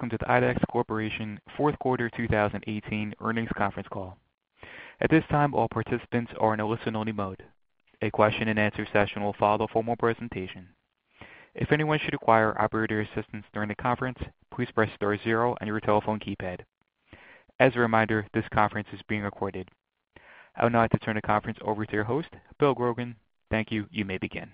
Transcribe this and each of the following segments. Welcome to the IDEX Corporation fourth quarter 2018 earnings conference call. At this time, all participants are in a listen-only mode. A question and answer session will follow the formal presentation. If anyone should require operator assistance during the conference, please press star zero on your telephone keypad. As a reminder, this conference is being recorded. I would now like to turn the conference over to your host, Bill Grogan. Thank you. You may begin.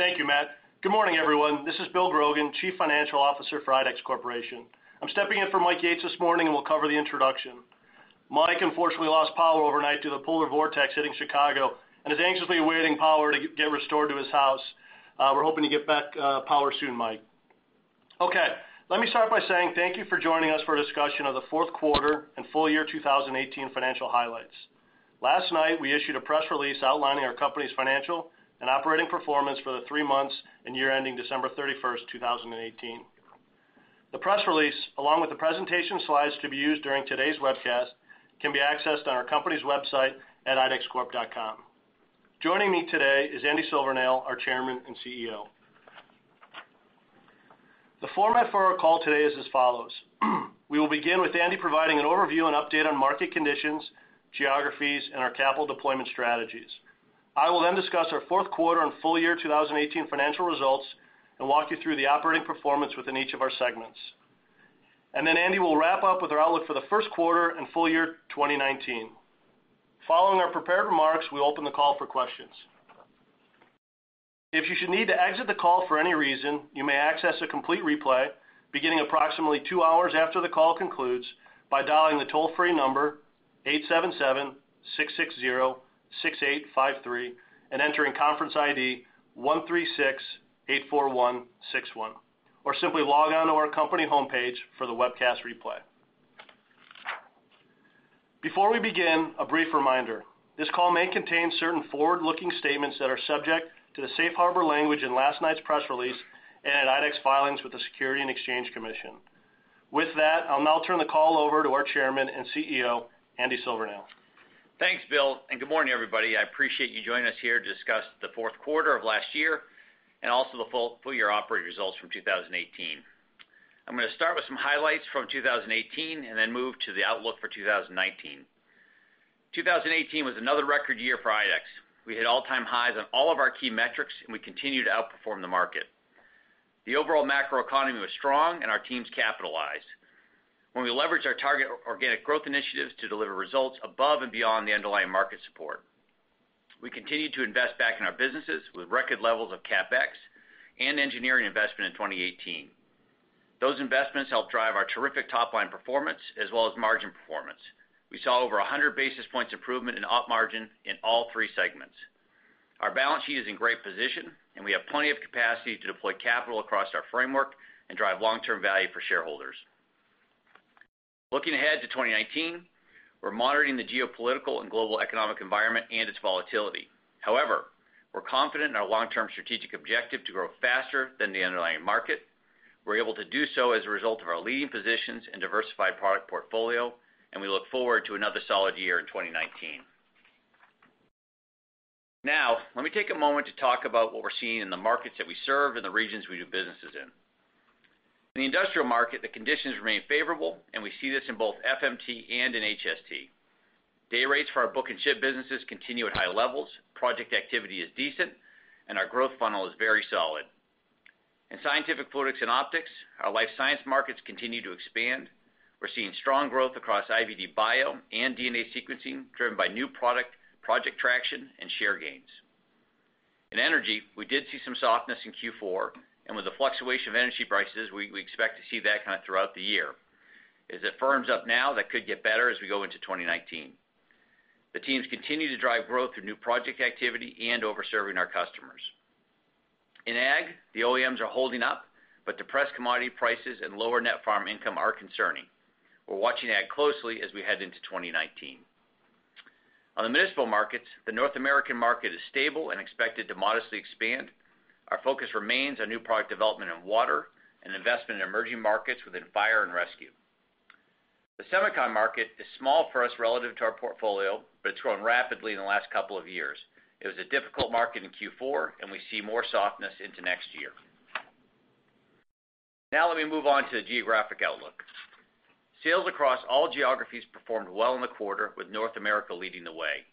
Thank you, Matt. Good morning, everyone. This is Bill Grogan, Chief Financial Officer for IDEX Corporation. I am stepping in for Mike Yates this morning, will cover the introduction. Mike unfortunately lost power overnight due to the polar vortex hitting Chicago, is anxiously awaiting power to get restored to his house. We are hoping to get back power soon, Mike. Let me start by saying thank you for joining us for a discussion of the fourth quarter and full year 2018 financial highlights. Last night, we issued a press release outlining our company's financial and operating performance for the three months and year ending December 31st 2018. The press release, along with the presentation slides to be used during today's webcast, can be accessed on our company's website at idexcorp.com. Joining me today is Andy Silvernail, our Chairman and CEO. The format for our call today is as follows. We will begin with Andy providing an overview and update on market conditions, geographies, and our capital deployment strategies. I will then discuss our fourth quarter and full year 2018 financial results and walk you through the operating performance within each of our segments. Andy will wrap up with our outlook for the first quarter and full year 2019. Following our prepared remarks, we will open the call for questions. If you should need to exit the call for any reason, you may access a complete replay beginning approximately two hours after the call concludes by dialing the toll-free number 877-660-6853 and entering conference ID 13684161, or simply log on to our company homepage for the webcast replay. Before we begin, a brief reminder. This call may contain certain forward-looking statements that are subject to the safe harbor language in last night's press release and at IDEX filings with the Securities and Exchange Commission. With that, I will now turn the call over to our Chairman and CEO, Andy Silvernail. Thanks, Bill, good morning, everybody. I appreciate you joining us here to discuss the fourth quarter of last year and also the full year operating results from 2018. I'm going to start with some highlights from 2018 and then move to the outlook for 2019. 2018 was another record year for IDEX. We hit all-time highs on all of our key metrics, and we continue to outperform the market. The overall macroeconomy was strong, and our teams capitalized when we leveraged our target organic growth initiatives to deliver results above and beyond the underlying market support. We continued to invest back in our businesses with record levels of CapEx and engineering investment in 2018. Those investments helped drive our terrific top-line performance as well as margin performance. We saw over 100 basis points improvement in op margin in all three segments. Our balance sheet is in great position, and we have plenty of capacity to deploy capital across our framework and drive long-term value for shareholders. Looking ahead to 2019, we're monitoring the geopolitical and global economic environment and its volatility. We're confident in our long-term strategic objective to grow faster than the underlying market. We're able to do so as a result of our leading positions and diversified product portfolio, and we look forward to another solid year in 2019. Let me take a moment to talk about what we're seeing in the markets that we serve and the regions we do businesses in. In the industrial market, the conditions remain favorable, and we see this in both FMT and in HST. Day rates for our book and ship businesses continue at high levels, project activity is decent, and our growth funnel is very solid. In scientific products and optics, our life science markets continue to expand. We're seeing strong growth across IVD bio and DNA sequencing, driven by new project traction and share gains. In energy, we did see some softness in Q4, and with the fluctuation of energy prices, we expect to see that kind of throughout the year. As it firms up now, that could get better as we go into 2019. The teams continue to drive growth through new project activity and over-serving our customers. In ag, the OEMs are holding up, but depressed commodity prices and lower net farm income are concerning. We're watching ag closely as we head into 2019. On the municipal markets, the North American market is stable and expected to modestly expand. Our focus remains on new product development in water and investment in emerging markets within fire and rescue. The semiconductor market is small for us relative to our portfolio, but it's grown rapidly in the last couple of years. It was a difficult market in Q4, and we see more softness into next year. Let me move on to the geographic outlook. Sales across all geographies performed well in the quarter, with North America leading the way.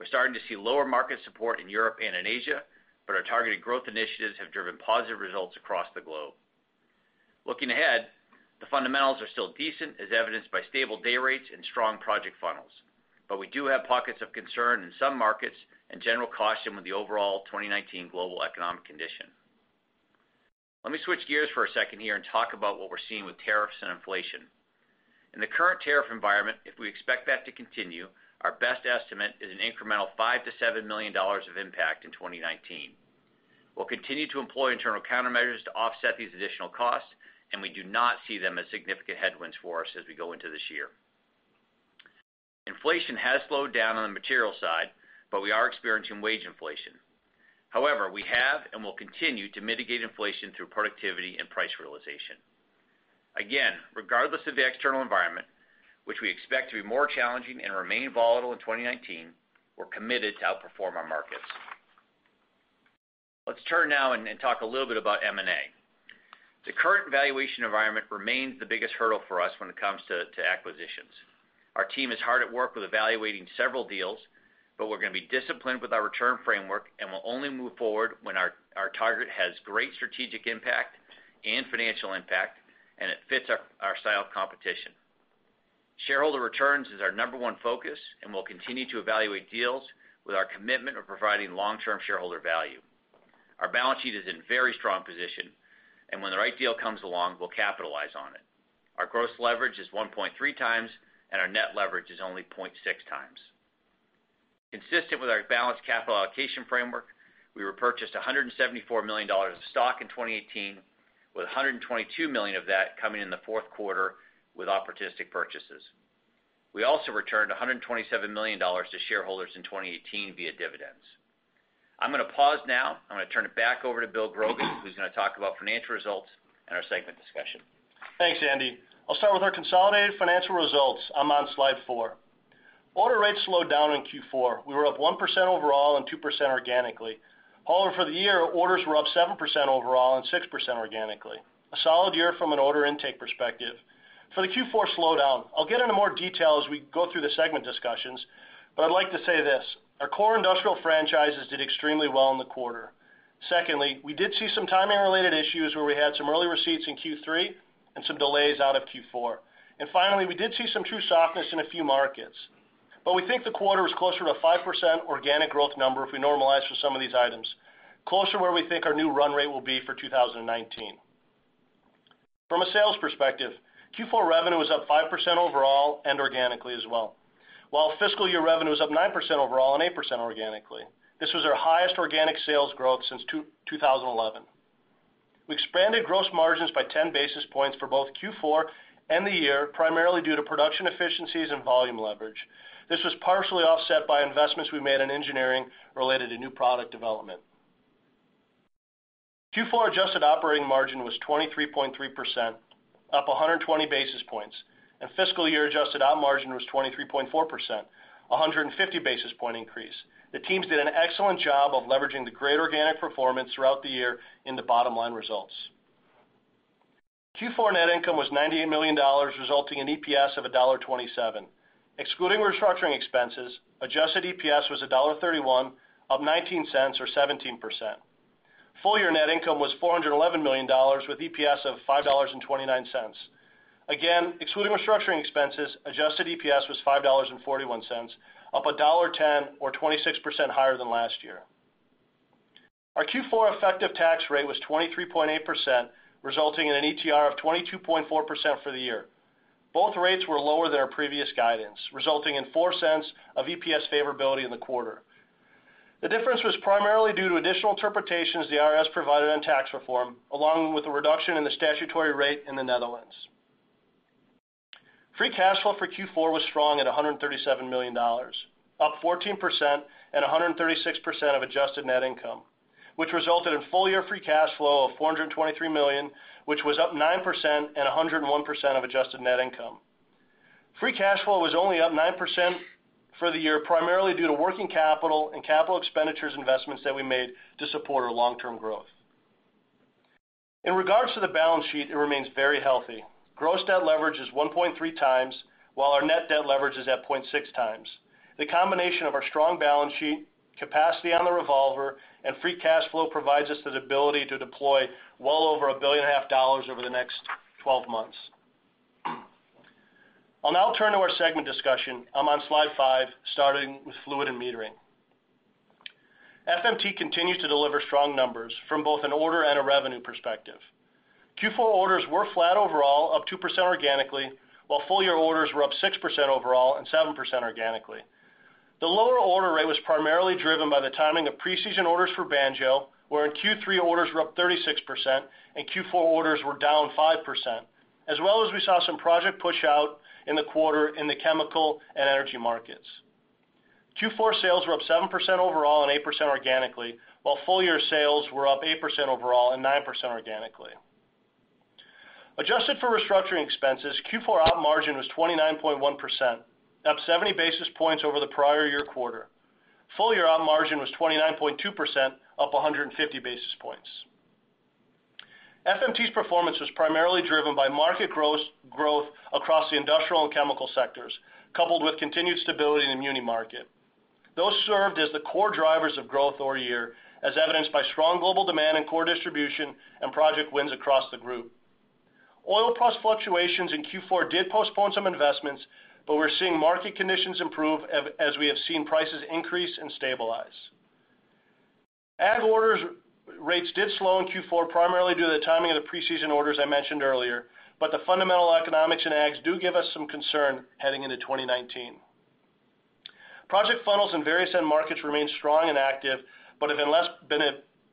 We're starting to see lower market support in Europe and in Asia, but our targeted growth initiatives have driven positive results across the globe. Looking ahead, the fundamentals are still decent, as evidenced by stable day rates and strong project funnels. We do have pockets of concern in some markets and general caution with the overall 2019 global economic condition. Let me switch gears for a second here and talk about what we're seeing with tariffs and inflation. In the current tariff environment, if we expect that to continue, our best estimate is an incremental $5 million-$7 million of impact in 2019. We will continue to employ internal countermeasures to offset these additional costs. We do not see them as significant headwinds for us as we go into this year. Inflation has slowed down on the material side, but we are experiencing wage inflation. However, we have and will continue to mitigate inflation through productivity and price realization. Again, regardless of the external environment, which we expect to be more challenging and remain volatile in 2019, we are committed to outperform our markets. Let's turn now and talk a little bit about M&A. The current valuation environment remains the biggest hurdle for us when it comes to acquisitions. Our team is hard at work with evaluating several deals. We are going to be disciplined with our return framework. We will only move forward when our target has great strategic impact and financial impact. It fits our style of competition. Shareholder returns is our number one focus. We will continue to evaluate deals with our commitment of providing long-term shareholder value. Our balance sheet is in very strong position. When the right deal comes along, we will capitalize on it. Our gross leverage is 1.3 times. Our net leverage is only 0.6 times. Consistent with our balanced capital allocation framework, we repurchased $174 million of stock in 2018, with $122 million of that coming in the fourth quarter with opportunistic purchases. We also returned $127 million to shareholders in 2018 via dividends. I am going to pause now. I am going to turn it back over to Bill Grogan, who is going to talk about financial results and our segment discussion. Thanks, Andy. I will start with our consolidated financial results. I am on slide four. Order rates slowed down in Q4. We were up 1% overall and 2% organically. However, for the year, orders were up 7% overall and 6% organically. A solid year from an order intake perspective. For the Q4 slowdown, I will get into more detail as we go through the segment discussions, but I would like to say this. Our core industrial franchises did extremely well in the quarter. Secondly, we did see some timing related issues where we had some early receipts in Q3 and some delays out of Q4. Finally, we did see some true softness in a few markets. We think the quarter was closer to a 5% organic growth number if we normalize for some of these items, closer to where we think our new run rate will be for 2019. From a sales perspective, Q4 revenue was up 5% overall and organically as well, while fiscal year revenue was up 9% overall and 8% organically. This was our highest organic sales growth since 2011. We expanded gross margins by 10 basis points for both Q4 and the year, primarily due to production efficiencies and volume leverage. This was partially offset by investments we made in engineering related to new product development. Q4 adjusted operating margin was 23.3%, up 120 basis points, and fiscal year-adjusted op margin was 23.4%, a 150 basis point increase. The teams did an excellent job of leveraging the great organic performance throughout the year in the bottom-line results. Q4 net income was $98 million, resulting in EPS of $1.27. Excluding restructuring expenses, adjusted EPS was $1.31, up $0.19 or 17%. Full-year net income was $411 million, with EPS of $5.29. Excluding restructuring expenses, adjusted EPS was $5.41, up $1.10 or 26% higher than last year. Our Q4 effective tax rate was 23.8%, resulting in an ETR of 22.4% for the year. Both rates were lower than our previous guidance, resulting in $0.04 of EPS favorability in the quarter. The difference was primarily due to additional interpretations the IRS provided on tax reform, along with a reduction in the statutory rate in the Netherlands. Free cash flow for Q4 was strong at $137 million, up 14% and 136% of adjusted net income, which resulted in full-year free cash flow of $423 million, which was up 9% and 101% of adjusted net income. Free cash flow was only up 9% for the year, primarily due to working capital and capital expenditures investments that we made to support our long-term growth. In regards to the balance sheet, it remains very healthy. Gross debt leverage is 1.3 times, while our net debt leverage is at 0.6 times. The combination of our strong balance sheet, capacity on the revolver, and free cash flow provides us the ability to deploy well over a billion and a half dollars over the next 12 months. I'll now turn to our segment discussion. I'm on slide five, starting with fluid and metering. FMT continues to deliver strong numbers from both an order and a revenue perspective. Q4 orders were flat overall, up 2% organically, while full-year orders were up 6% overall and 7% organically. The lower order rate was primarily driven by the timing of preseason orders for Banjo, where in Q3, orders were up 36%, and Q4 orders were down 5%, as well as we saw some project push-out in the quarter in the chemical and energy markets. Q4 sales were up 7% overall and 8% organically, while full-year sales were up 8% overall and 9% organically. Adjusted for restructuring expenses, Q4 op margin was 29.1%, up 70 basis points over the prior year quarter. Full-year op margin was 29.2%, up 150 basis points. FMT's performance was primarily driven by market growth across the industrial and chemical sectors, coupled with continued stability in the muni market. Those served as the core drivers of growth over year, as evidenced by strong global demand in core distribution and project wins across the group. Oil price fluctuations in Q4 did postpone some investments. We're seeing market conditions improve as we have seen prices increase and stabilize. Ag order rates did slow in Q4, primarily due to the timing of the preseason orders I mentioned earlier. The fundamental economics in ags do give us some concern heading into 2019. Project funnels in various end markets remain strong and active, have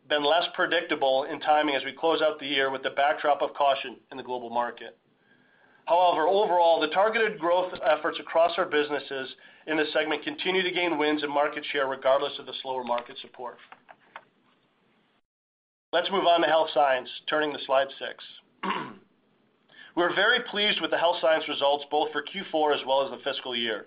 been less predictable in timing as we close out the year with the backdrop of caution in the global market. Overall, the targeted growth efforts across our businesses in this segment continue to gain wins and market share regardless of the slower market support. Let's move on to health science, turning to slide six. We're very pleased with the health science results both for Q4 as well as the fiscal year.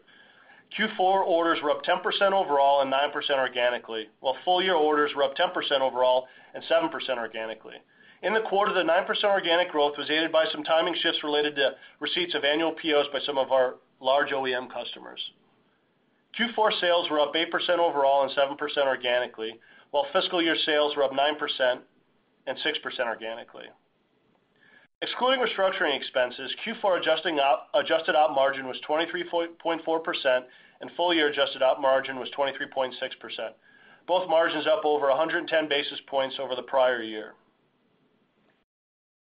Q4 orders were up 10% overall and 9% organically, while full-year orders were up 10% overall and 7% organically. In the quarter, the 9% organic growth was aided by some timing shifts related to receipts of annual POs by some of our large OEM customers. Q4 sales were up 8% overall and 7% organically, while fiscal year sales were up 9% and 6% organically. Excluding restructuring expenses, Q4 adjusted op margin was 23.4% and full-year adjusted op margin was 23.6%. Both margins up over 110 basis points over the prior year.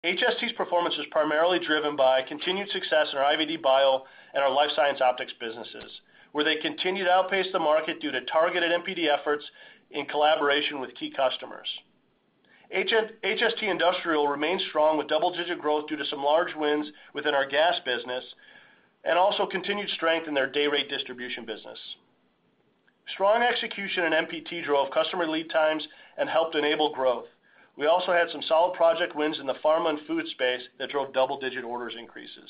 HST's performance was primarily driven by continued success in our IVD bio and our life science optics businesses, where they continued to outpace the market due to targeted MPD efforts in collaboration with key customers. HST Industrial remains strong with double-digit growth due to some large wins within our gas business and also continued strength in their day rate distribution business. Strong execution in MPT drove customer lead times and helped enable growth. We also had some solid project wins in the farm and food space that drove double-digit orders increases.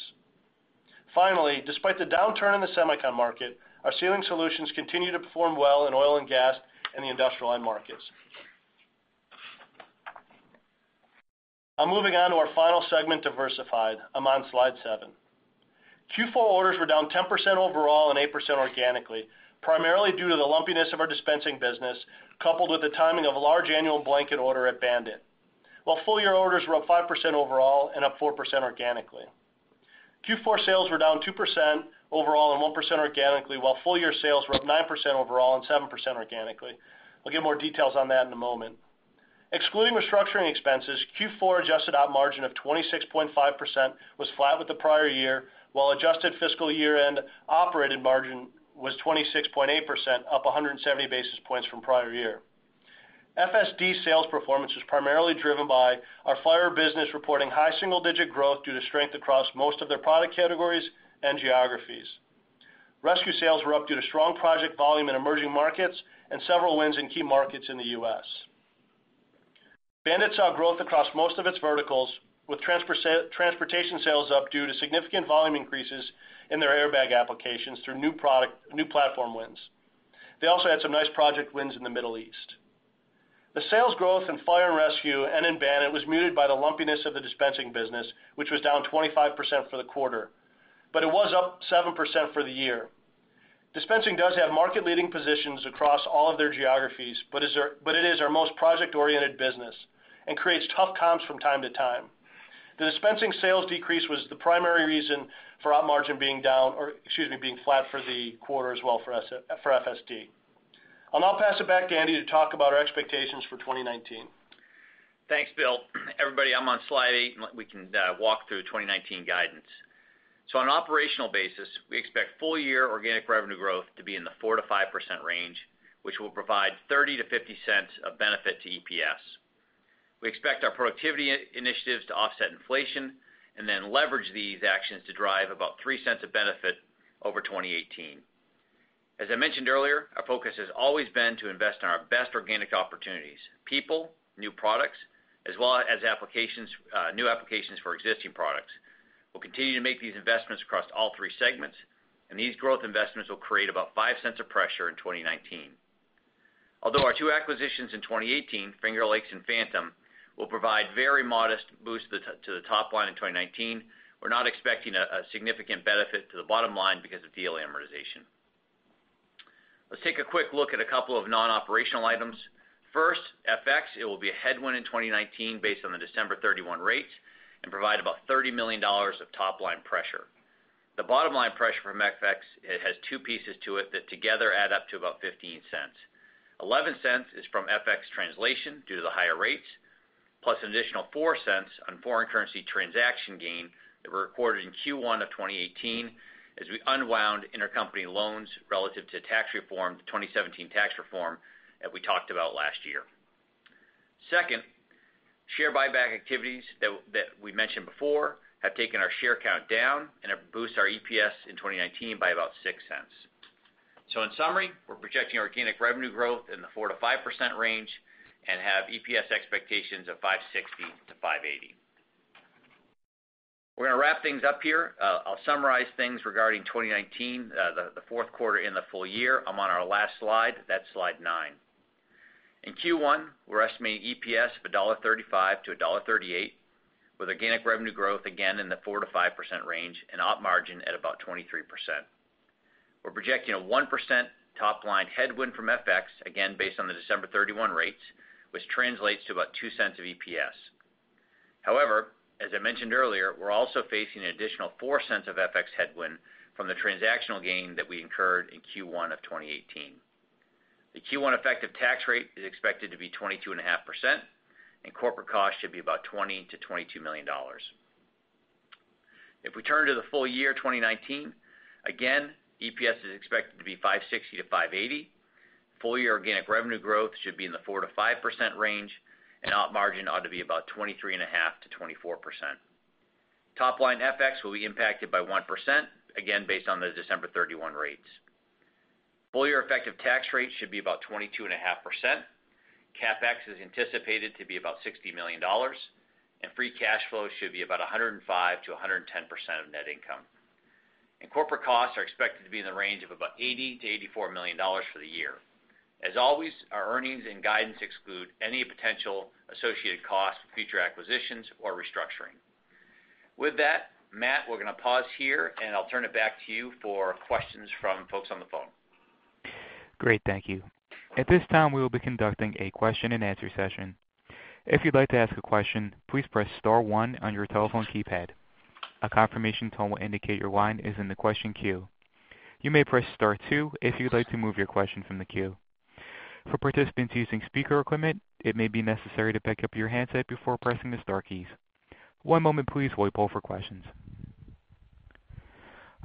Finally, despite the downturn in the semiconductor market, our sealing solutions continue to perform well in oil and gas and the industrial end markets. I'm moving on to our final segment, diversified. I'm on slide seven. Q4 orders were down 10% overall and 8% organically, primarily due to the lumpiness of our dispensing business, coupled with the timing of a large annual blanket order at BAND-IT. While full-year orders were up 5% overall and up 4% organically. Q4 sales were down 2% overall and 1% organically, while full-year sales were up 9% overall and 7% organically. I'll give more details on that in a moment. Excluding restructuring expenses, Q4 adjusted op margin of 26.5% was flat with the prior year, while adjusted fiscal year-end operating margin was 26.8%, up 170 basis points from prior year. FSD sales performance was primarily driven by our fire business reporting high single-digit growth due to strength across most of their product categories and geographies. Rescue sales were up due to strong project volume in emerging markets and several wins in key markets in the U.S. BAND-IT saw growth across most of its verticals, with transportation sales up due to significant volume increases in their airbag applications through new platform wins. They also had some nice project wins in the Middle East. The sales growth in fire and rescue and in BAND-IT was muted by the lumpiness of the dispensing business, which was down 25% for the quarter, but it was up 7% for the year. Dispensing does have market-leading positions across all of their geographies, but it is our most project-oriented business and creates tough comps from time to time. The dispensing sales decrease was the primary reason for op margin being flat for the quarter as well for FSD. I'll now pass it back to Andy to talk about our expectations for 2019. Thanks, Bill. Everybody, I'm on slide eight. We can walk through 2019 guidance. On an operational basis, we expect full-year organic revenue growth to be in the 4%-5% range, which will provide $0.30-$0.50 of benefit to EPS. We expect our productivity initiatives to offset inflation. Leverage these actions to drive about $0.03 of benefit over 2018. As I mentioned earlier, our focus has always been to invest in our best organic opportunities, people, new products, as well as new applications for existing products. We'll continue to make these investments across all three segments. These growth investments will create about $0.05 of pressure in 2019. Although our two acquisitions in 2018, Finger Lakes Instrumentation and Phantom Controls, will provide very modest boosts to the top line in 2019, we're not expecting a significant benefit to the bottom line because of deal amortization. Let's take a quick look at a couple of non-operational items. First, FX. It will be a headwind in 2019 based on the December 31 rates and provide about $30 million of top-line pressure. The bottom line pressure from FX, it has two pieces to it that together add up to about $0.15. $0.11 is from FX translation due to the higher rates, plus an additional $0.04 on foreign currency transaction gain that were recorded in Q1 of 2018 as we unwound intercompany loans relative to the 2017 tax reform that we talked about last year. Second, share buyback activities that we mentioned before have taken our share count down. It boosts our EPS in 2019 by about $0.06. In summary, we're projecting organic revenue growth in the 4%-5% range and have EPS expectations of $5.60-$5.80. We're going to wrap things up here. I'll summarize things regarding 2019, the fourth quarter, and the full year. I'm on our last slide. That's slide nine. In Q1, we're estimating EPS of $1.35-$1.38 with organic revenue growth again in the 4%-5% range and op margin at about 23%. We're projecting a 1% top-line headwind from FX, again based on the December 31 rates, which translates to about $0.02 of EPS. However, as I mentioned earlier, we're also facing an additional $0.04 of FX headwind from the transactional gain that we incurred in Q1 of 2018. The Q1 effective tax rate is expected to be 22.5%. Corporate costs should be about $20 million-$22 million. If we turn to the full year 2019, again, EPS is expected to be $5.60-$5.80. Full-year organic revenue growth should be in the 4%-5% range. Op margin ought to be about 23.5%-24%. Top-line FX will be impacted by 1%, again based on the December 31 rates. Full year effective tax rate should be about 22.5%. CapEx is anticipated to be about $60 million. Free cash flow should be about 105%-110% of net income. Corporate costs are expected to be in the range of about $80 million-$84 million for the year. As always, our earnings and guidance exclude any potential associated costs, future acquisitions, or restructuring. With that, Matt, we're going to pause here and I'll turn it back to you for questions from folks on the phone. Great, thank you. At this time, we will be conducting a question and answer session. If you'd like to ask a question, please press star one on your telephone keypad. A confirmation tone will indicate your line is in the question queue. You may press star two if you'd like to move your question from the queue. For participants using speaker equipment, it may be necessary to pick up your handset before pressing the star keys. One moment please while we poll for questions.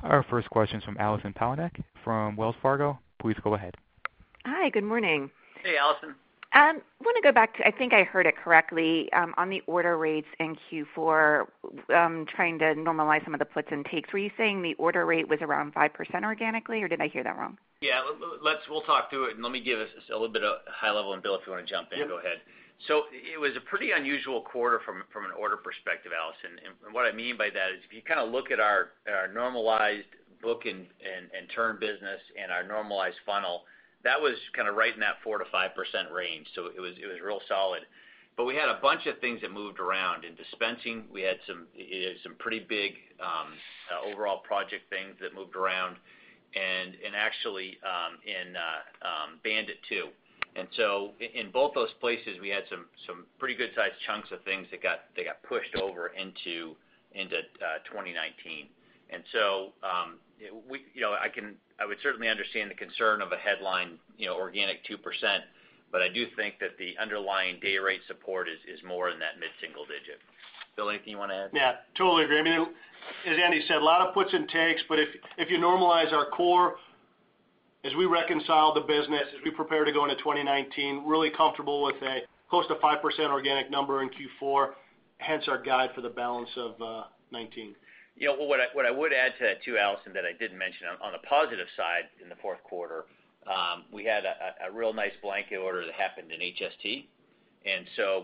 Our first question is from Allison Poliniak-Cusic from Wells Fargo. Please go ahead. Hi, good morning. Hey, Allison. I want to go back to, I think I heard it correctly, on the order rates in Q4, trying to normalize some of the puts and takes. Were you saying the order rate was around 5% organically, or did I hear that wrong? Yeah. We'll talk through it, let me give us a little bit of high level, Bill, if you want to jump in, go ahead. Yep. It was a pretty unusual quarter from an order perspective, Allison. What I mean by that is, if you look at our normalized book and turn business and our normalized funnel, that was right in that 4%-5% range. It was real solid. We had a bunch of things that moved around. In dispensing, we had some pretty big overall project things that moved around and actually in BAND-IT too. In both those places, we had some pretty good size chunks of things that got pushed over into 2019. I would certainly understand the concern of a headline organic 2%, but I do think that the underlying day rate support is more in that mid-single digit. Bill, anything you want to add? Yeah, totally agree. As Andy said, a lot of puts and takes, if you normalize our core as we reconcile the business, as we prepare to go into 2019, really comfortable with a close to 5% organic number in Q4, hence our guide for the balance of 2019. What I would add to that too, Allison, that I didn't mention on the positive side in the fourth quarter, we had a real nice blanket order that happened in HST.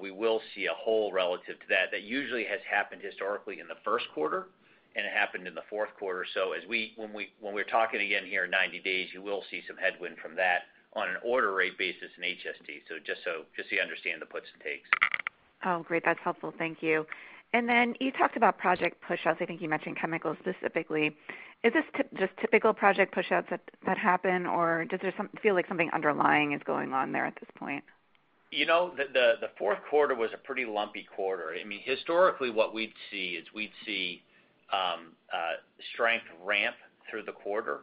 We will see a hole relative to that. That usually has happened historically in the first quarter, and it happened in the fourth quarter. When we're talking again here in 90 days, you will see some headwind from that on an order rate basis in HST. Just so you understand the puts and takes. Oh, great. That's helpful. Thank you. You talked about project pushouts. I think you mentioned chemicals specifically. Is this just typical project pushouts that happen, or does it feel like something underlying is going on there at this point? The fourth quarter was a pretty lumpy quarter. Historically, what we'd see is we'd see strength ramp through the quarter.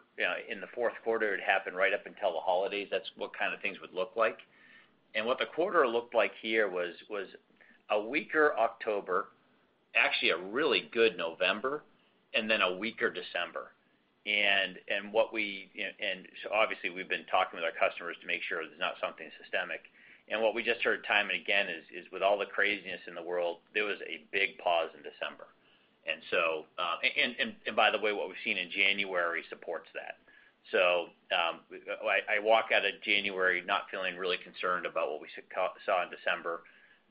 In the fourth quarter, it happened right up until the holidays. That's what kind of things would look like. What the quarter looked like here was a weaker October, actually a really good November, then a weaker December. Obviously we've been talking with our customers to make sure there's not something systemic. What we just heard time and again is with all the craziness in the world, there was a big pause in December. By the way, what we've seen in January supports that. I walk out of January not feeling really concerned about what we saw in December.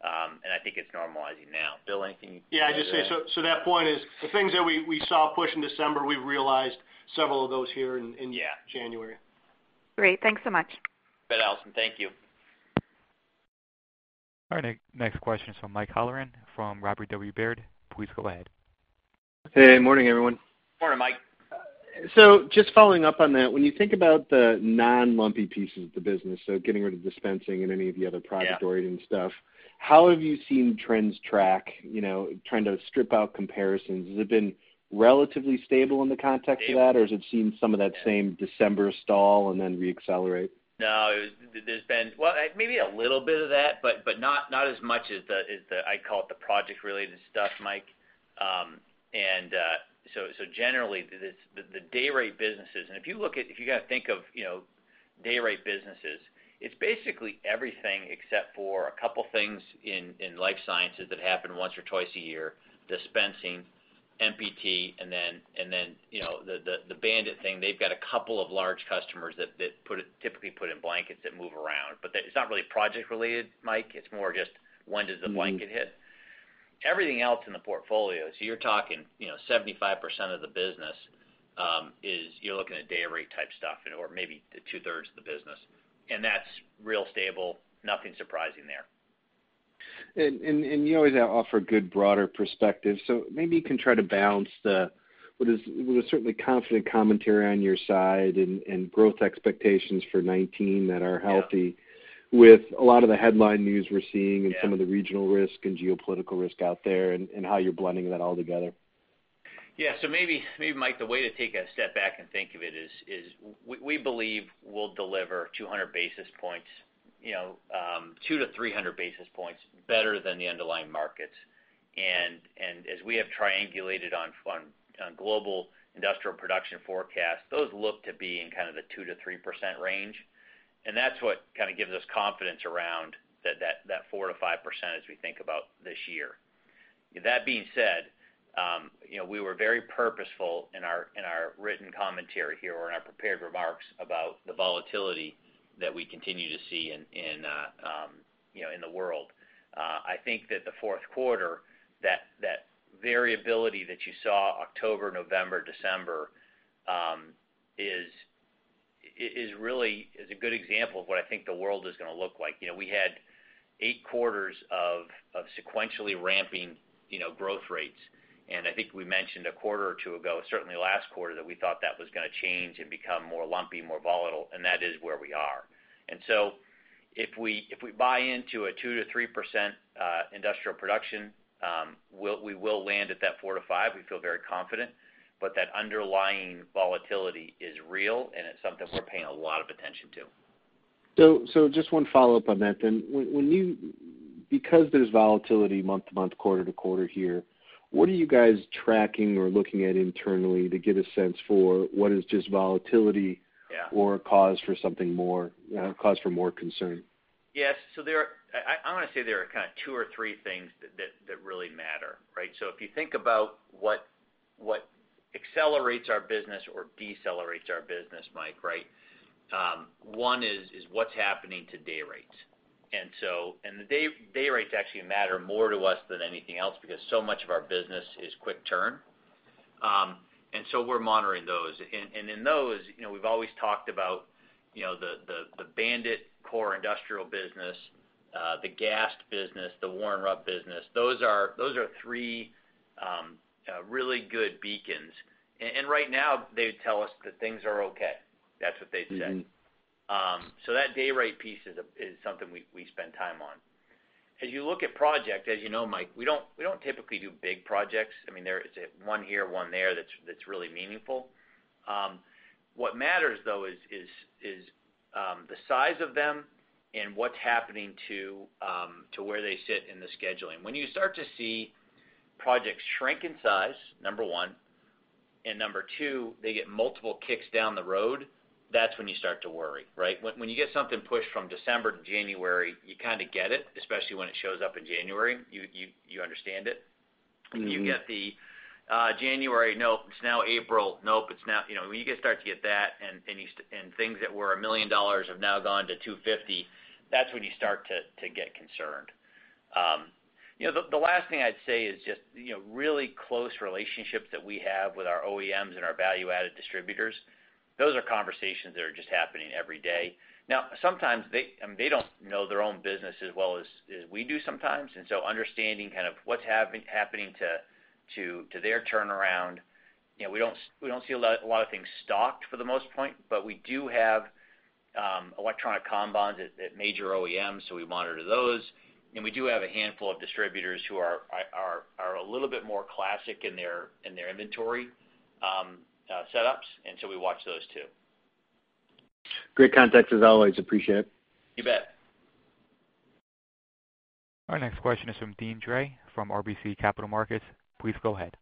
I think it's normalizing now. Bill, anything you'd like to add? Yeah, I'd just say, that point is the things that we saw push in December, we've realized several of those here in January. Great. Thanks so much. You bet, Allison. Thank you. All right, next question is from Mike Halloran from Robert W. Baird. Please go ahead. Hey, morning, everyone. Morning, Mike. Just following up on that, when you think about the non-lumpy pieces of the business, getting rid of dispensing and any of the other project- Yeah oriented stuff, how have you seen trends track, trying to strip out comparisons? Has it been relatively stable in the context of that? Yeah. Has it seen some of that same December stall and then re-accelerate? No. Well, maybe a little bit of that, but not as much as the, I call it the project related stuff, Mike. Generally, the day rate businesses, and if you think of day rate businesses, it's basically everything except for a couple things in life sciences that happen once or twice a year, dispensing, MPT, and then the BAND-IT thing. They've got a couple of large customers that typically put in blankets that move around. It's not really project related, Mike. It's more just when does the blanket hit. Everything else in the portfolio, you're talking 75% of the business is you're looking at day rate type stuff or maybe two-thirds of the business, and that's real stable, nothing surprising there. You always offer good broader perspective. Maybe you can try to balance the, what is certainly confident commentary on your side and growth expectations for 2019 that are healthy- Yeah with a lot of the headline news we're seeing- Yeah Some of the regional risk and geopolitical risk out there, and how you're blending that all together. Maybe, Mike, the way to take a step back and think of it is, we believe we'll deliver 200 basis points, 200 to 300 basis points better than the underlying markets. As we have triangulated on global industrial production forecasts, those look to be in kind of the 2%-3% range. That's what kind of gives us confidence around that 4%-5% as we think about this year. That being said, we were very purposeful in our written commentary here, or in our prepared remarks about the volatility that we continue to see in the world. I think that the fourth quarter, that variability that you saw October, November, December, is a good example of what I think the world is going to look like. We had eight quarters of sequentially ramping growth rates, and I think we mentioned a quarter or two ago, certainly last quarter, that we thought that was going to change and become more lumpy, more volatile, and that is where we are. If we buy into a 2%-3% industrial production, we will land at that 4%-5%. We feel very confident. That underlying volatility is real, and it's something we're paying a lot of attention to. Just one follow-up on that then. Because there's volatility month to month, quarter to quarter here, what are you guys tracking or looking at internally to get a sense for what is just volatility- Yeah or cause for more concern? Yes. I want to say there are kind of two or three things that really matter, right? If you think about what accelerates our business or decelerates our business, Mike. One is what's happening to day rates. The day rates actually matter more to us than anything else because so much of our business is quick turn. We're monitoring those. In those, we've always talked about the BAND-IT core industrial business, the gas business, the Warren Rupp business. Those are three really good beacons. Right now, they tell us that things are okay. That's what they've said. That day rate piece is something we spend time on. As you look at project, as you know, Mike, we don't typically do big projects. There is one here, one there that's really meaningful. What matters, though, is the size of them and what's happening to where they sit in the scheduling. When you start to see projects shrink in size, number one, and number two, they get multiple kicks down the road, that's when you start to worry, right? When you get something pushed from December to January, you kind of get it, especially when it shows up in January. You understand it. When you get the January, nope. It's now April. Nope. When you start to get that, and things that were $1 million have now gone to $250, that's when you start to get concerned. The last thing I'd say is just, really close relationships that we have with our OEMs and our value-added distributors, those are conversations that are just happening every day. Sometimes, they don't know their own business as well as we do sometimes, and so understanding kind of what's happening to their turnaround. We don't see a lot of things stocked for the most point, but we do have electronic kanban at major OEMs, so we monitor those. We do have a handful of distributors who are a little bit more classic in their inventory setups, and so we watch those, too. Great context as always. Appreciate it. You bet. Our next question is from Deane Dray from RBC Capital Markets. Please go ahead.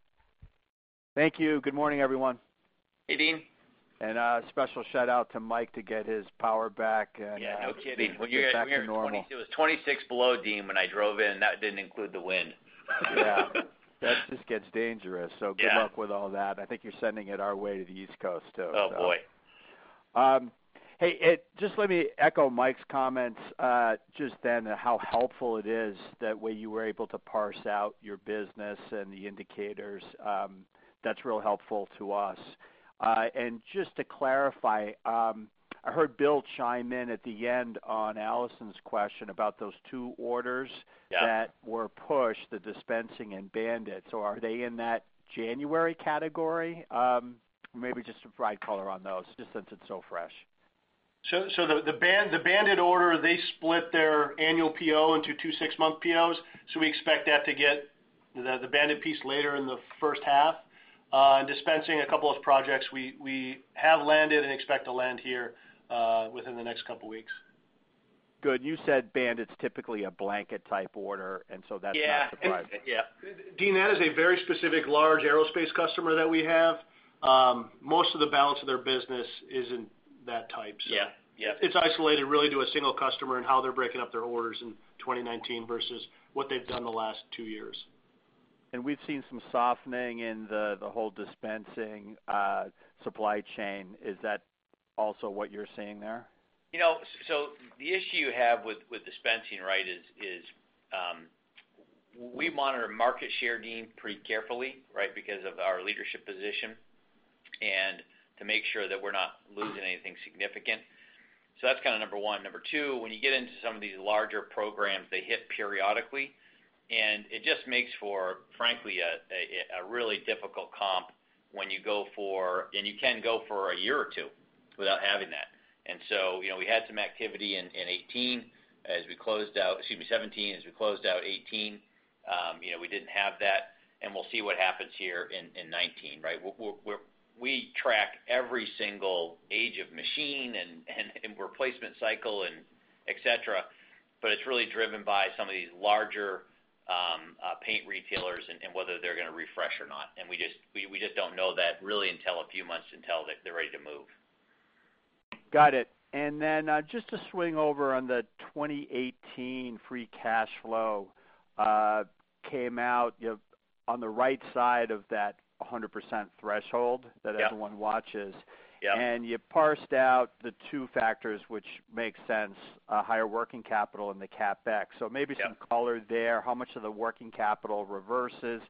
Thank you. Good morning, everyone. Hey, Deane. A special shout-out to Mike to get his power back. Yeah, no kidding. Get back to normal. It was 26 below, Deane, when I drove in, and that didn't include the wind. Yeah. That just gets dangerous. Good luck with all that. I think you're sending it our way to the East Coast, too. Oh, boy. Hey, just let me echo Mike's comments just then, how helpful it is that way you were able to parse out your business and the indicators. That's real helpful to us. Just to clarify, I heard Bill chime in at the end on Allison's question about those two orders. Yeah That were pushed, the dispensing and BAND-IT. Are they in that January category? Maybe just some bright color on those, just since it's so fresh. The BAND-IT order, they split their annual PO into two six-month POs. We expect that to get the BAND-IT piece later in the first half. Dispensing, a couple of projects we have landed and expect to land here within the next couple of weeks. Good. You said BAND-IT's typically a blanket type order, and so that's not surprising. Yeah. Deane, that is a very specific large aerospace customer that we have. Most of the balance of their business is in that type. Yeah. It's isolated really to a single customer and how they're breaking up their orders in 2019 versus what they've done the last two years. We've seen some softening in the whole dispensing supply chain. Is that also what you're seeing there? The issue you have with dispensing is we monitor market share, Deane, pretty carefully, because of our leadership position and to make sure that we're not losing anything significant. That's kind of number one. Number two, when you get into some of these larger programs, they hit periodically, and it just makes for, frankly, a really difficult comp when you go for, and you can go for a year or two without having that. We had some activity in 2018 as we closed out, excuse me, 2017. As we closed out 2018, we didn't have that, and we'll see what happens here in 2019. We track every single age of machine and replacement cycle and et cetera, but it's really driven by some of these larger paint retailers and whether they're going to refresh or not. We just don't know that really until a few months until they're ready to move. Got it. Just to swing over on the 2018 free cash flow, came out on the right side of that 100% threshold that everyone watches. Yeah. You parsed out the two factors, which makes sense, higher working capital and the CapEx. Yeah. Maybe some color there. How much of the working capital reverses?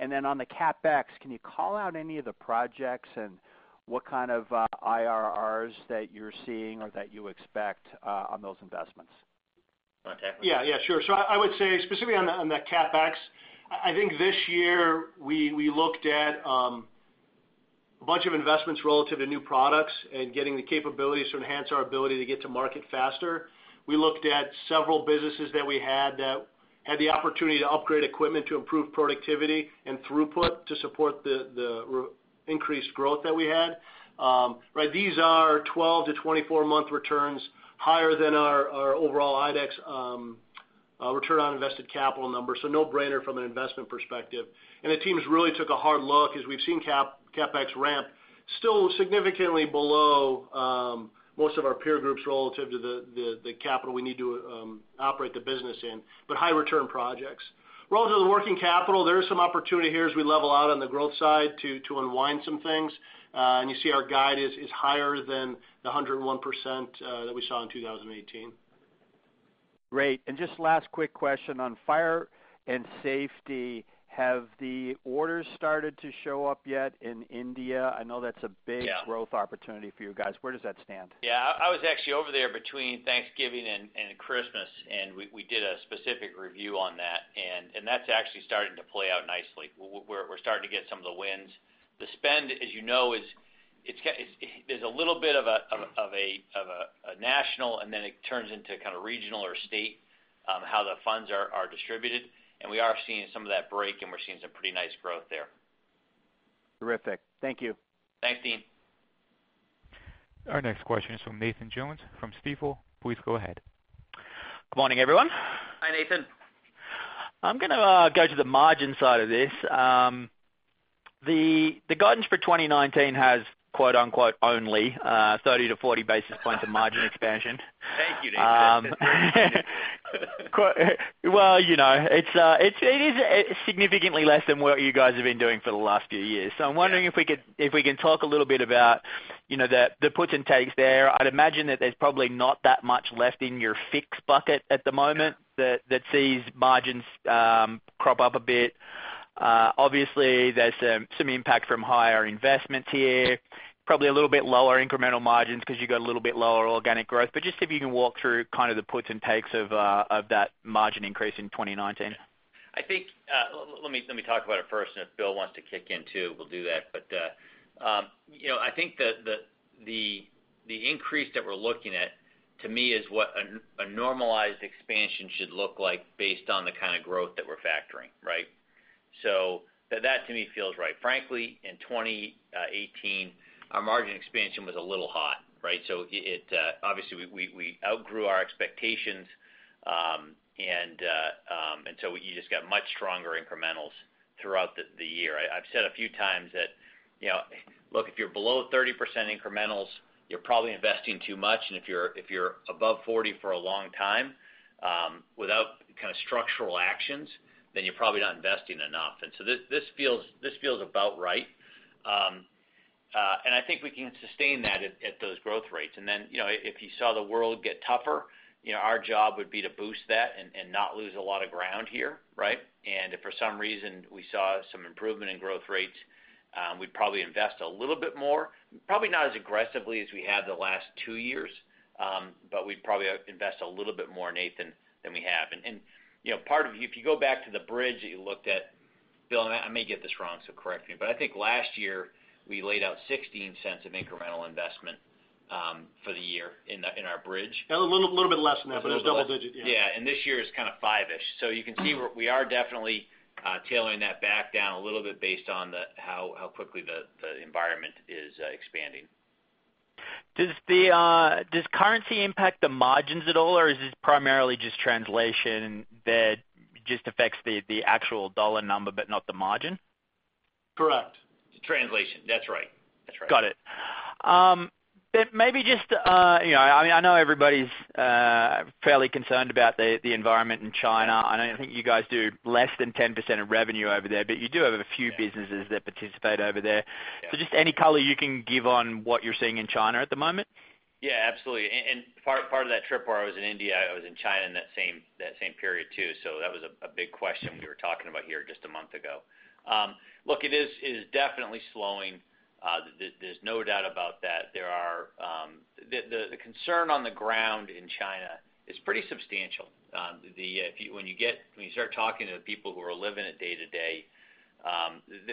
On the CapEx, can you call out any of the projects and what kind of IRRs that you're seeing or that you expect on those investments? Want that one? Yeah, sure. I would say specifically on the CapEx, I think this year we looked at a bunch of investments relative to new products and getting the capabilities to enhance our ability to get to market faster. We looked at several businesses that we had that had the opportunity to upgrade equipment to improve productivity and throughput to support the increased growth that we had. These are 12-24-month returns, higher than our overall IDEX return on invested capital numbers. No-brainer from an investment perspective. The teams really took a hard look, as we've seen CapEx ramp, still significantly below most of our peer groups relative to the capital we need to operate the business in, but high return projects. Relative to working capital, there is some opportunity here as we level out on the growth side to unwind some things. You see our guide is higher than the 101% that we saw in 2018. Great. Just last quick question on fire and safety. Have the orders started to show up yet in India? I know that's a big- Yeah growth opportunity for you guys. Where does that stand? Yeah. I was actually over there between Thanksgiving and Christmas, and we did a specific review on that, and that's actually starting to play out nicely. We're starting to get some of the wins. The spend, as you know, there's a little bit of a national, and then it turns into kind of regional or state, how the funds are distributed, and we are seeing some of that break, and we're seeing some pretty nice growth there. Terrific. Thank you. Thanks, Deane. Our next question is from Nathan Jones from Stifel. Please go ahead. Good morning, everyone. Hi, Nathan. I'm going to go to the margin side of this. The guidance for 2019 has quote, unquote, "only 30 to 40 basis points of margin expansion. Thank you, Nathan. Well, it is significantly less than what you guys have been doing for the last few years. I'm wondering if we can talk a little bit about the puts and takes there. I'd imagine that there's probably not that much left in your fixed bucket at the moment that sees margins crop up a bit. Obviously, there's some impact from higher investments here. Probably a little bit lower incremental margins because you've got a little bit lower organic growth. Just if you can walk through kind of the puts and takes of that margin increase in 2019. Let me talk about it first, if Bill wants to kick in, too, we'll do that. I think the increase that we're looking at, to me, is what a normalized expansion should look like based on the kind of growth that we're factoring. That, to me, feels right. Frankly, in 2018, our margin expansion was a little hot. Obviously, we outgrew our expectations, you just got much stronger incrementals throughout the year. I've said a few times that, look, if you're below 30% incrementals, you're probably investing too much. If you're above 40 for a long time without kind of structural actions, then you're probably not investing enough. This feels about right. I think we can sustain that at those growth rates. Then, if you saw the world get tougher, our job would be to boost that and not lose a lot of ground here. If for some reason we saw some improvement in growth rates, we'd probably invest a little bit more. Probably not as aggressively as we have the last two years, we'd probably invest a little bit more, Nathan, than we have. If you go back to the bridge that you looked at, Bill, I may get this wrong, so correct me, I think last year we laid out $0.16 of incremental investment for the year in our bridge. A little bit less than that, it was double-digit, yeah. Yeah. This year is kind of 5-ish. You can see we are definitely tailoring that back down a little bit based on how quickly the environment is expanding. Does currency impact the margins at all, or is this primarily just translation that just affects the actual dollar number but not the margin? Correct. Translation. That's right. Got it. I know everybody's fairly concerned about the environment in China. I think you guys do less than 10% of revenue over there, but you do have a few businesses that participate over there. Yeah. Just any color you can give on what you're seeing in China at the moment? Yeah, absolutely. Part of that trip where I was in India, I was in China in that same period, too. That was a big question we were talking about here just a month ago. Look, it is definitely slowing. There's no doubt about that. The concern on the ground in China is pretty substantial. When you start talking to the people who are living it day to day,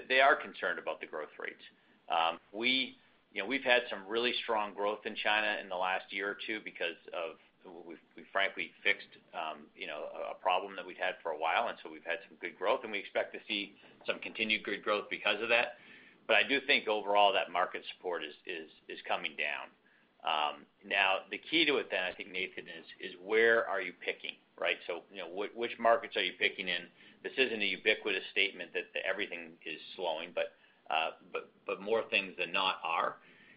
they are concerned about the growth rates. We've had some really strong growth in China in the last year or two because of, we frankly fixed a problem that we'd had for a while, and we've had some good growth, and we expect to see some continued good growth because of that. I do think overall, that market support is coming down. The key to it then, I think, Nathan, is where are you picking? Which markets are you picking in? This isn't a ubiquitous statement that everything is slowing, but more things than not are.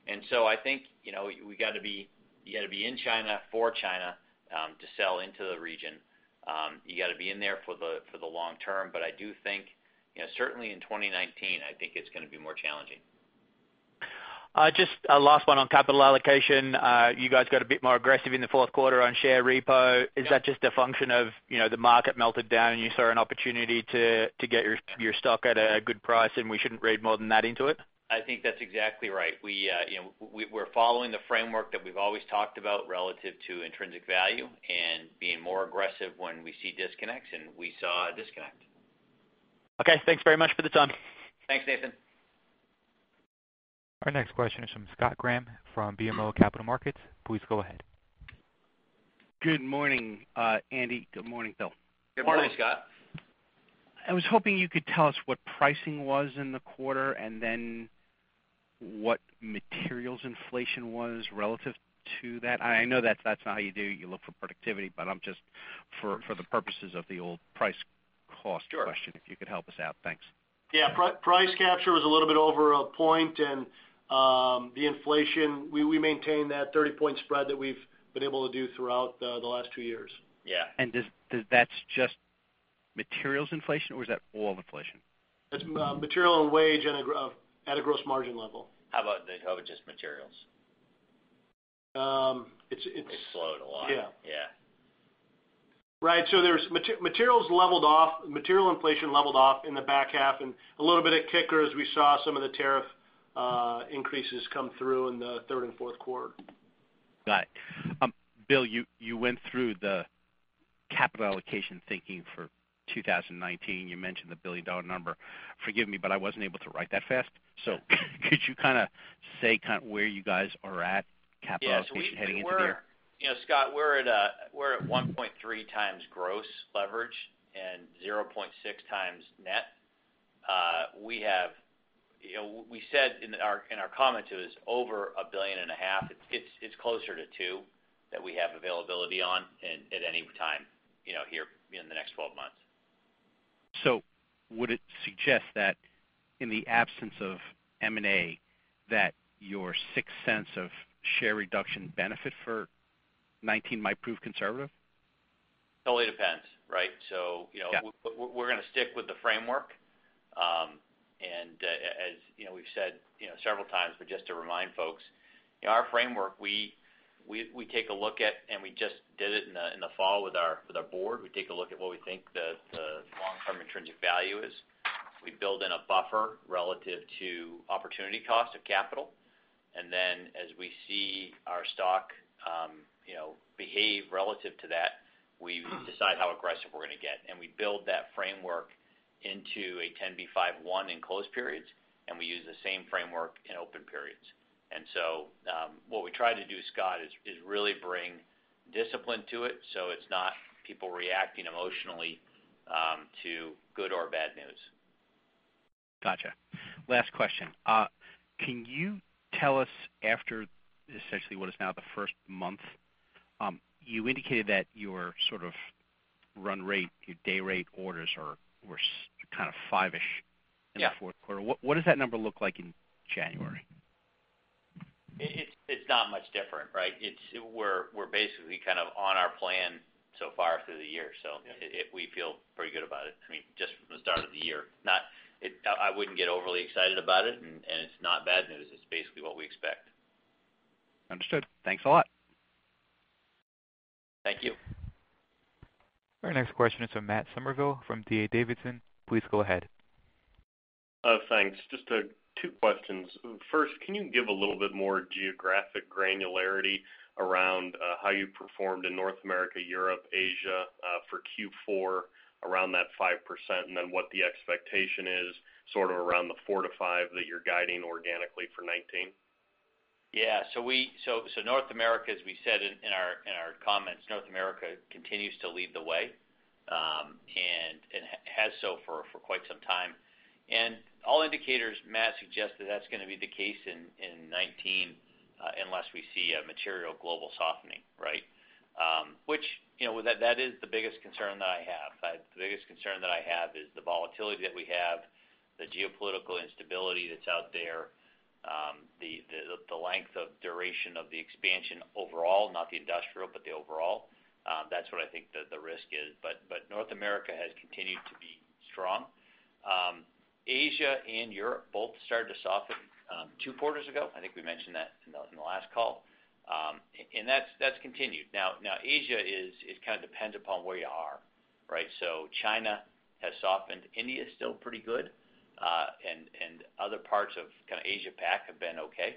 I think you got to be in China for China to sell into the region. You got to be in there for the long term. I do think, certainly in 2019, I think it's going to be more challenging. Just a last one on capital allocation. You guys got a bit more aggressive in the fourth quarter on share repo. Yeah. Is that just a function of the market melted down and you saw an opportunity to get your stock at a good price, and we shouldn't read more than that into it? I think that's exactly right. We're following the framework that we've always talked about relative to intrinsic value, and being more aggressive when we see disconnects, and we saw a disconnect. Okay. Thanks very much for the time. Thanks, Nathan. Our next question is from Scott Graham from BMO Capital Markets. Please go ahead. Good morning, Andy. Good morning, Bill. Good morning. Morning, Scott. I was hoping you could tell us what pricing was in the quarter, and then what materials inflation was relative to that. I know that's not how you do it, you look for productivity. Just for the purposes of the old price cost question. Sure if you could help us out. Thanks. Yeah. Price capture was a little bit over a point, the inflation, we maintain that 30-point spread that we've been able to do throughout the last two years. Yeah. That's just materials inflation, or is that all inflation? That's material and wage at a gross margin level. How about just materials? It's- It slowed a lot. Yeah. Yeah. Materials leveled off. Material inflation leveled off in the back half, and a little bit of kicker as we saw some of the tariff increases come through in the third and fourth quarter. Got it. Bill, you went through the capital allocation thinking for 2019. You mentioned the billion-dollar number. Forgive me, but I wasn't able to write that fast. Could you say where you guys are at capital allocation heading into the year? Scott, we're at 1.3x gross leverage and 0.6x net. We said in our comments it was over a billion and a half. It's closer to two that we have availability on at any time here in the next 12 months. Would it suggest that in the absence of M&A, that your sixth sense of share reduction benefit for 2019 might prove conservative? Totally depends. Right? Yeah. We're going to stick with the framework. As we've said several times, but just to remind folks, our framework, we take a look at, and we just did it in the fall with our board, we take a look at what we think the long-term intrinsic value is. We build in a buffer relative to opportunity cost of capital. Then as we see our stock behave relative to that, we decide how aggressive we're going to get. We build that framework into a 10b5-1 in close periods, and we use the same framework in open periods. What we try to do, Scott, is really bring discipline to it, so it's not people reacting emotionally to good or bad news. Got you. Last question. Can you tell us after, essentially what is now the first month, you indicated that your sort of run rate, your day rate orders were kind of 5-ish. Yeah in the fourth quarter. What does that number look like in January? It's not much different, right? We're basically kind of on our plan so far through the year, so. Yeah We feel pretty good about it. I mean, just from the start of the year. I wouldn't get overly excited about it, and it's not bad news. It's basically what we expect. Understood. Thanks a lot. Thank you. Our next question is from Matt Summerville from D.A. Davidson. Please go ahead. Thanks. Just two questions. First, can you give a little bit more geographic granularity around how you performed in North America, Europe, Asia, for Q4 around that 5%, and then what the expectation is sort of around the four to five that you're guiding organically for 2019? Yeah. North America, as we said in our comments, North America continues to lead the way, and has so for quite some time. All indicators, Matt, suggest that that's going to be the case in 2019, unless we see a material global softening. Right? That is the biggest concern that I have. The biggest concern that I have is the volatility that we have, the geopolitical instability that's out there. The length of duration of the expansion overall, not the industrial, but the overall. That's what I think the risk is. North America has continued to be strong. Asia and Europe both started to soften two quarters ago. I think we mentioned that in the last call. That's continued. Asia, it kind of depends upon where you are. Right? China has softened. India is still pretty good. Other parts of Asia Pac have been okay.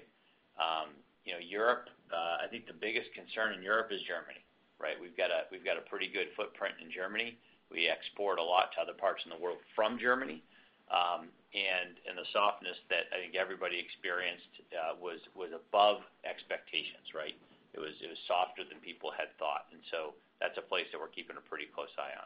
Europe, I think the biggest concern in Europe is Germany. Right? We've got a pretty good footprint in Germany. We export a lot to other parts in the world from Germany. The softness that I think everybody experienced was above expectations. Right? It was softer than people had thought. That's a place that we're keeping a pretty close eye on.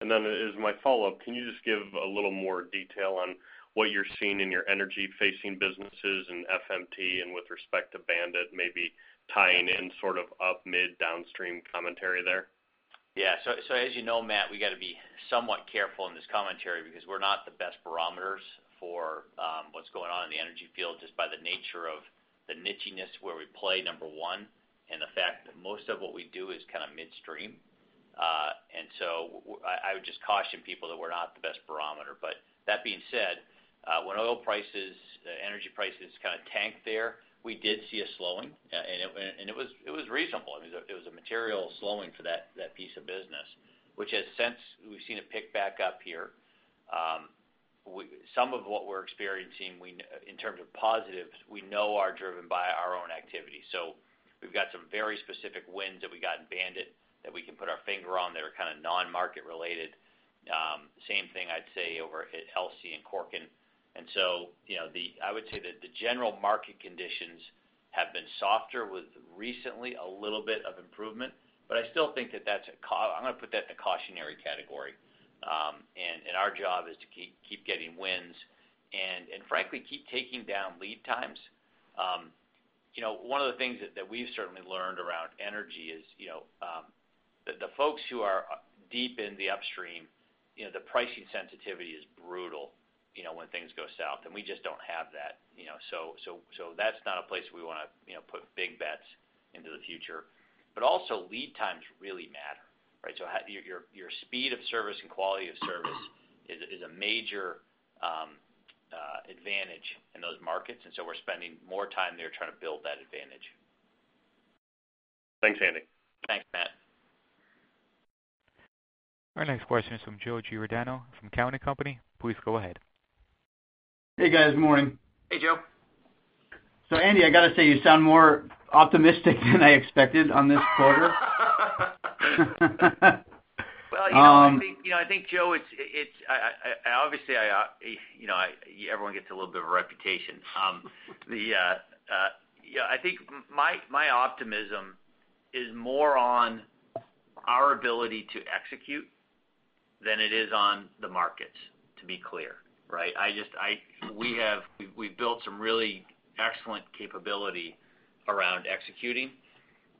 As my follow-up, can you just give a little more detail on what you're seeing in your energy-facing businesses and FMT and with respect to BAND-IT, maybe tying in sort of up mid downstream commentary there? Yeah. As you know, Matt, we got to be somewhat careful in this commentary because we're not the best barometers for what's going on in the energy field, just by the nature of the nichey-ness where we play, number 1, and the fact that most of what we do is kind of midstream. I would just caution people that we're not the best barometer. That being said, when oil prices, energy prices kind of tanked there, we did see a slowing, and it was reasonable. It was a material slowing for that piece of business, which has since we've seen it pick back up here. Some of what we're experiencing in terms of positives, we know are driven by our own activity. We've got some very specific wins that we got in BAND-IT that we can put our finger on that are kind of non-market related. Same thing I'd say over at Helmer Scientific and Corken. I would say that the general market conditions have been softer with recently a little bit of improvement. I still think that I'm going to put that in the cautionary category. Our job is to keep getting wins and frankly, keep taking down lead times. One of the things that we've certainly learned around energy is, the folks who are deep in the upstream, the pricing sensitivity is brutal, when things go south, and we just don't have that. That's not a place we want to put big bets into the future. Also lead times really matter, right? Your speed of service and quality of service is a major advantage in those markets, and so we're spending more time there trying to build that advantage. Thanks, Andy. Thanks, Matt. Our next question is from Joe Giordano from Cowen and Company. Please go ahead. Hey, guys. Morning. Hey, Joe. Andy, I got to say, you sound more optimistic than I expected on this quarter. I think, Joe, obviously everyone gets a little bit of a reputation. I think my optimism is more on our ability to execute than it is on the markets, to be clear, right? We've built some really excellent capability around executing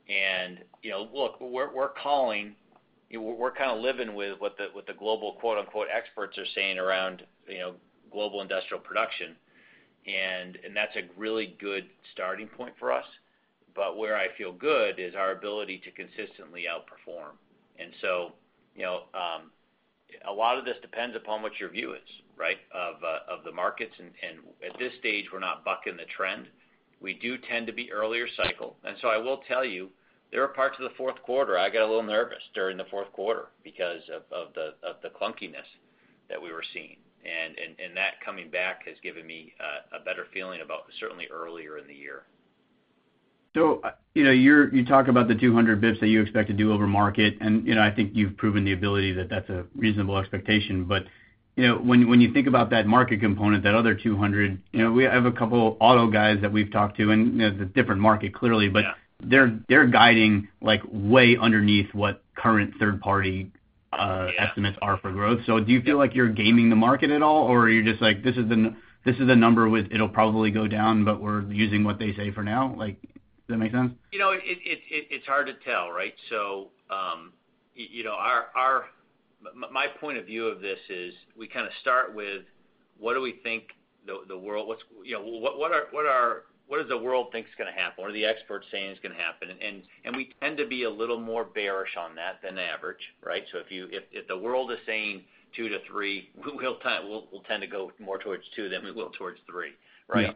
and look, we're calling, we're kind of living with what the global, quote unquote, experts are saying around global industrial production. That's a really good starting point for us. But where I feel good is our ability to consistently outperform. A lot of this depends upon what your view is, right, of the markets. At this stage, we're not bucking the trend. We do tend to be earlier cycle. I will tell you, there are parts of the fourth quarter, I got a little nervous during the fourth quarter because of the clunkiness that we were seeing. That coming back has given me a better feeling about certainly earlier in the year. You talk about the 200 basis points that you expect to do over market, I think you've proven the ability that that's a reasonable expectation. When you think about that market component, that other 200, we have a couple auto guys that we've talked to, it's a different market clearly. Yeah They're guiding like way underneath what current third party. Yeah estimates are for growth. Do you feel like you're gaming the market at all or are you just like, this is a number, it'll probably go down, but we're using what they say for now? Does that make sense? It's hard to tell, right? My point of view of this is we kind of start with what does the world think is going to happen? What are the experts saying is going to happen? We tend to be a little more bearish on that than average, right? If the world is saying two to three, we'll tend to go more towards two than we will towards three, right? Yeah.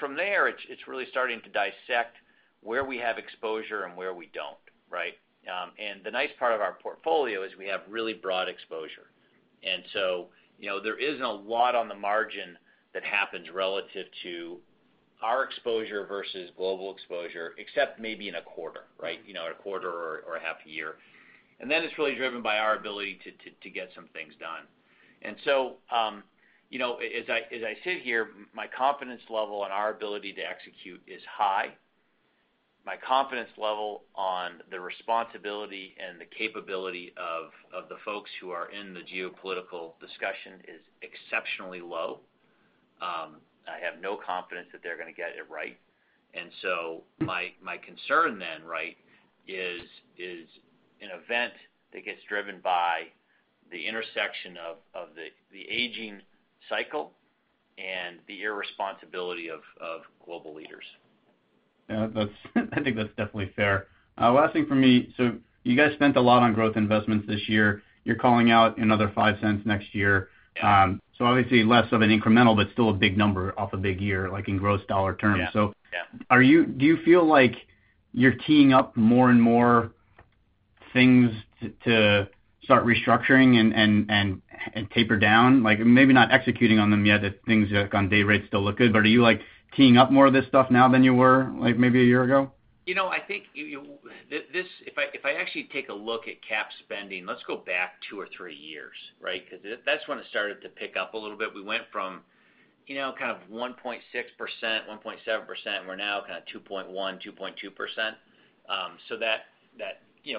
From there, it's really starting to dissect where we have exposure and where we don't, right? The nice part of our portfolio is we have really broad exposure. There isn't a lot on the margin that happens relative to our exposure versus global exposure, except maybe in a quarter, right? A quarter or a half a year. Then it's really driven by our ability to get some things done. As I sit here, my confidence level in our ability to execute is high. My confidence level on the responsibility and the capability of the folks who are in the geopolitical discussion is exceptionally low. I have no confidence that they're going to get it right. My concern then, right, is an event that gets driven by the intersection of the aging cycle and the irresponsibility of global leaders. Yeah. I think that's definitely fair. Last thing from me, you guys spent a lot on growth investments this year. You're calling out another $0.05 next year. Yeah. Obviously less of an incremental, but still a big number off a big year, like in gross dollar terms. Yeah. Do you feel like you're teeing up more and more things to start restructuring and taper down? Maybe not executing on them yet, if things on day rates still look good, but are you like teeing up more of this stuff now than you were, maybe a year ago? I think, if I actually take a look at cap spending, let's go back two or three years, right? Because that's when it started to pick up a little bit. We went from kind of 1.6%, 1.7%. We're now kind of 2.1%-2.2%.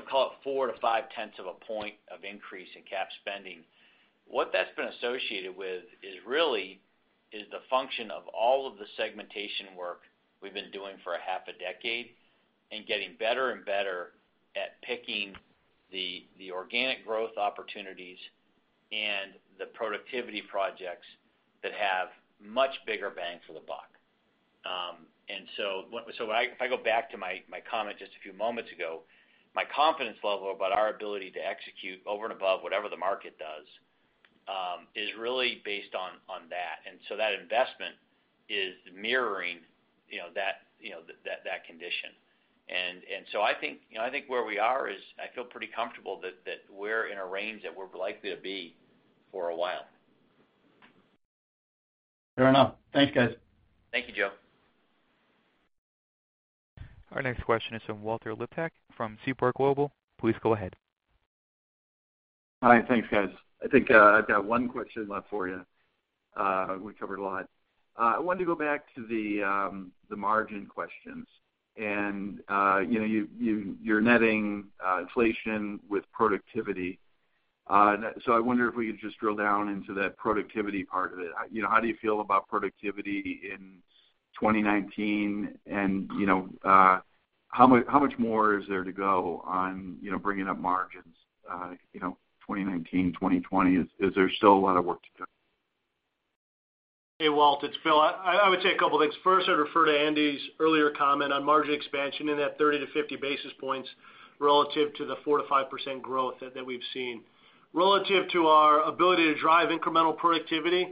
Call it four to five tenths of a point of increase in cap spending. What that's been associated with is really is the function of all of the segmentation work we've been doing for a half a decade, and getting better and better at picking the organic growth opportunities and the productivity projects that have much bigger bang for the buck. If I go back to my comment just a few moments ago, my confidence level about our ability to execute over and above whatever the market does is really based on that. That investment is mirroring that condition. I think where we are is, I feel pretty comfortable that, we're in a range that we're likely to be for a while. Fair enough. Thanks, guys. Thank you, Joe. Our next question is from Walt Liptak from Seaport Global. Please go ahead. Hi. Thanks, guys. I think I've got one question left for you. We covered a lot. I wanted to go back to the margin questions. You're netting inflation with productivity, so I wonder if we could just drill down into that productivity part of it. How do you feel about productivity in 2019, and how much more is there to go on bringing up margins? 2019, 2020, is there still a lot of work to do? Hey, Walt Liptak, it's Bill Grogan. I would say a couple things. First, I'd refer to Andy Silvernail's earlier comment on margin expansion in that 30 to 50 basis points relative to the 4%-5% growth that we've seen. Relative to our ability to drive incremental productivity,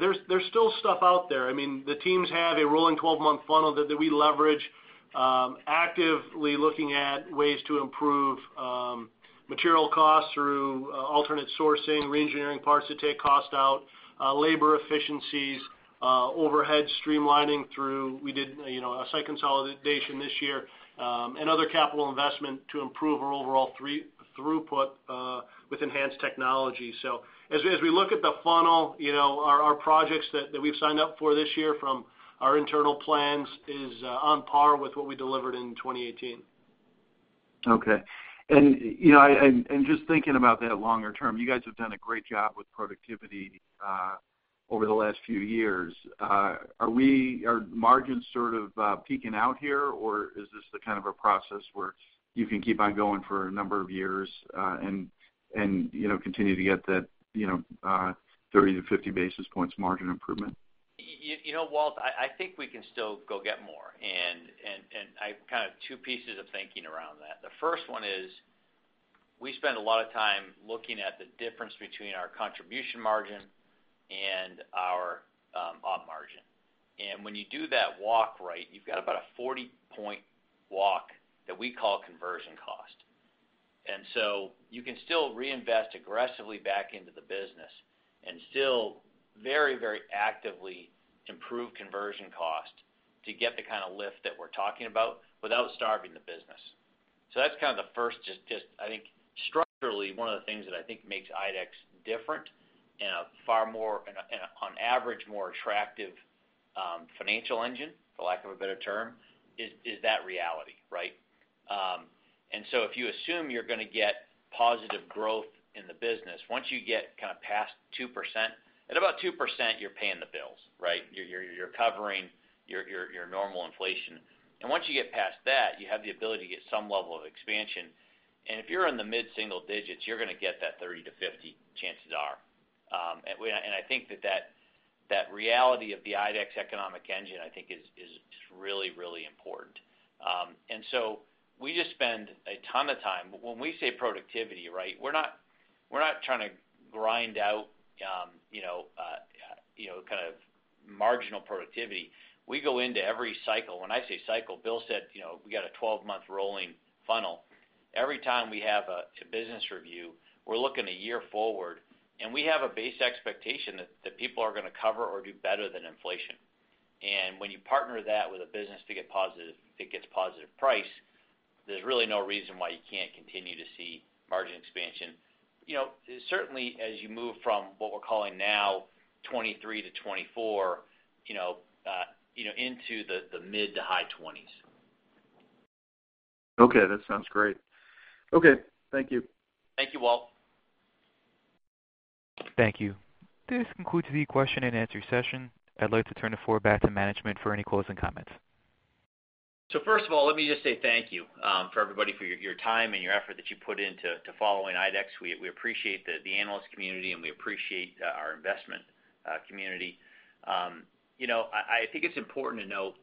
there's still stuff out there. The teams have a rolling 12-month funnel that we leverage, actively looking at ways to improve material costs through alternate sourcing, reengineering parts that take cost out, labor efficiencies, overhead streamlining through, we did a site consolidation this year, and other capital investment to improve our overall throughput with enhanced technology. As we look at the funnel, our projects that we've signed up for this year from our internal plans is on par with what we delivered in 2018. Okay. Just thinking about that longer term, you guys have done a great job with productivity over the last few years. Are margins sort of peaking out here, or is this the kind of a process where you can keep on going for a number of years, and continue to get that 30 to 50 basis points margin improvement? Walt Liptak, I think we can still go get more. I've kind of two pieces of thinking around that. The first one is, we spend a lot of time looking at the difference between our contribution margin and our op margin. When you do that walk right, you've got about a 40-point walk that we call conversion cost. You can still reinvest aggressively back into the business and still very actively improve conversion cost to get the kind of lift that we're talking about without starving the business. That's kind of the first, I think structurally one of the things that I think makes IDEX different and on average, more attractive, financial engine, for lack of a better term, is that reality, right? If you assume you're going to get positive growth in the business, once you get kind of past 2%, at about 2%, you're paying the bills, right? You're covering your normal inflation. Once you get past that, you have the ability to get some level of expansion. If you're in the mid-single digits, you're going to get that 30 to 50, chances are. I think that reality of the IDEX economic engine, I think is really important. We just spend a ton of time. When we say productivity, we're not trying to grind out kind of marginal productivity. We go into every cycle. When I say cycle, Bill Grogan said we got a 12-month rolling funnel. Every time we have a business review, we're looking a year forward, we have a base expectation that people are going to cover or do better than inflation. When you partner that with a business that gets positive price, there's really no reason why you can't continue to see margin expansion. Certainly, as you move from what we're calling now 23%-24%, into the mid-to-high 20s%. Okay, that sounds great. Okay, thank you. Thank you, Walt. Thank you. This concludes the question and answer session. I'd like to turn the floor back to management for any closing comments. First of all, let me just say thank you for everybody for your time and your effort that you put in to following IDEX. We appreciate the analyst community, and we appreciate our investment community. I think it's important to note,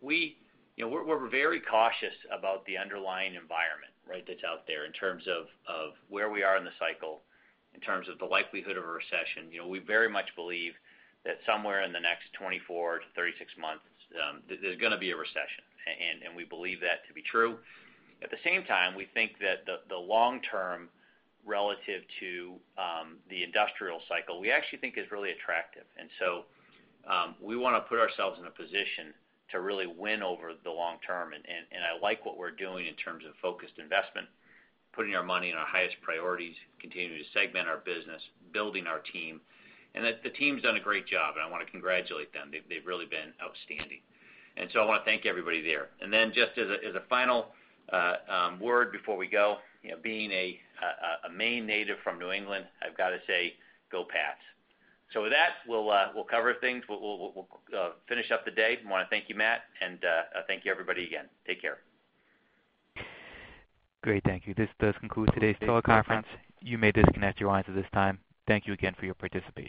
we're very cautious about the underlying environment that's out there in terms of where we are in the cycle, in terms of the likelihood of a recession. We very much believe that somewhere in the next 24 to 36 months, there's going to be a recession, and we believe that to be true. At the same time, we think that the long term relative to the industrial cycle, we actually think is really attractive. We want to put ourselves in a position to really win over the long term. I like what we're doing in terms of focused investment, putting our money in our highest priorities, continuing to segment our business, building our team. The team's done a great job, and I want to congratulate them. They've really been outstanding. I want to thank everybody there. Just as a final word before we go, being a Maine native from New England, I've got to say, go Pats. With that, we'll cover things. We'll finish up the day. I want to thank you, Matt, and thank you everybody again. Take care. Great. Thank you. This does conclude today's teleconference. You may disconnect your lines at this time. Thank you again for your participation.